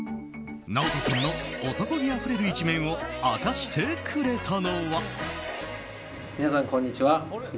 ＮＡＯＴＯさんの男気あふれる一面を明かしてくれたのは。